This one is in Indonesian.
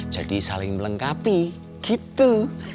jadi saling melengkapi gitu